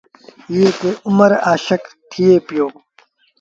ايئي تي اُمر آشڪ ٿئي پيو۔